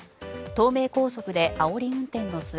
東名高速であおり運転の末